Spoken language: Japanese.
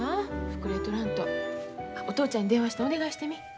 ふくれとらんとお父ちゃんに電話してお願いしてみ。